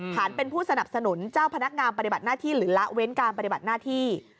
ฐานเป็นผู้สนับสนุนเจ้าพนักงานปฏิบัติหน้าที่หรือละเว้นการปฏิบัติหน้าที่